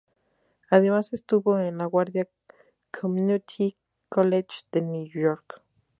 Además estuvo en la Guardia Community College de New York.